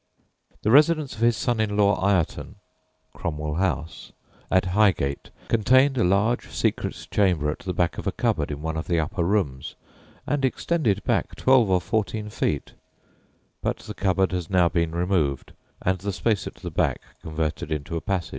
The residence of his son in law Ireton (Cromwell House) at Highgate contained a large secret chamber at the back of a cupboard in one of the upper rooms, and extended back twelve or fourteen feet, but the cupboard has now been removed and the space at the back converted into a passage.